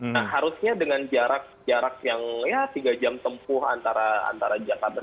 nah harusnya dengan jarak jarak yang ya tiga jam tempuh antara jakarta